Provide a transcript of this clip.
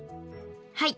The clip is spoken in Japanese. はい。